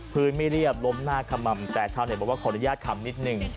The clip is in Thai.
พื้นไม่เรียบล้มหน้าขม่ำแต่ชาวเน็ตบอกว่าขออนุญาตคำนิดนึง